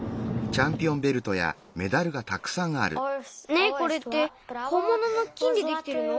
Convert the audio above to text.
ねえこれってほんものの金でできてるの？